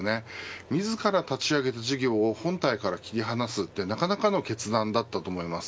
自ら立ち上げた事業を本体から切り離すのってなかなかの決断だったと思います。